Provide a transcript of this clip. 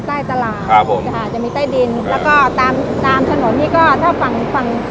ใต้ตลาดครับผมค่ะจะมีใต้ดินแล้วก็ตามตามถนนนี่ก็ถ้าฝั่งฝั่ง